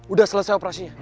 udah selesai operasinya